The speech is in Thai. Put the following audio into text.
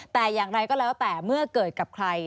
แต่อย่างไรก็แล้วแต่เมื่อเกิดกับใคร